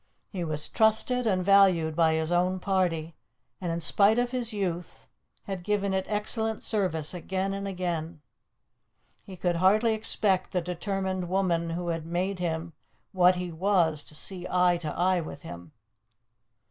He was trusted and valued by his own party, and, in spite of his youth, had given it excellent service again and again. He could hardly expect the determined woman who had made him what he was to see eye to eye with him.